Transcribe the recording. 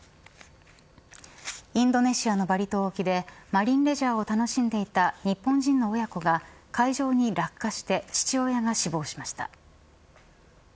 インドネシアのバリ島沖でマリンレジャーを楽しんでいた日本人の親子が海上に落下して父親が死亡しました。